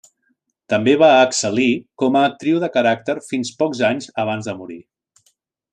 També va excel·lir com a actriu de caràcter fins pocs anys abans de morir.